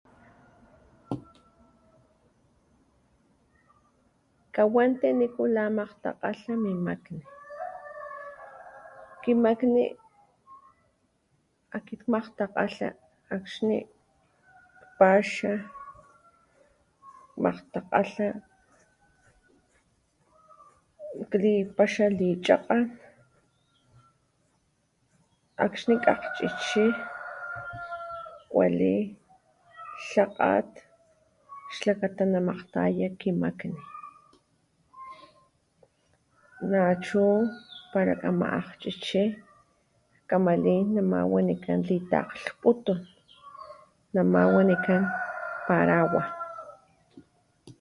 Kawanti nikula makgtakgalha min makni, kimakni akit makgtakgalha akxni kpaxa makgtakgalha, klipaxa lichakgan, akxni kakgchichi, kwali lakgat xlakata namakgtaya kimakni nachu para kgama akgchichi kama lin nama wanikan litakglhputun, nama wanikan parawa